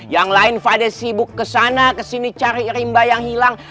yang lain fade sibuk kesana kesini cari rimba yang hilang